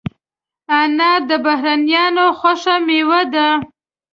انار د بهرنیانو خوښه مېوه ده.